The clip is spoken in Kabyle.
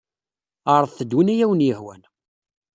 Ɛeṛḍet-d win ay awen-yehwan.